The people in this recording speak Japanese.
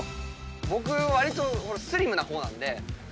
僕わりとスリムな方なんで。